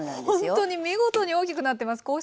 ほんとに見事に大きくなってます。